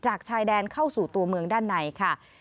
ชายแดนเข้าสู่ตัวเมืองด้านในค่ะ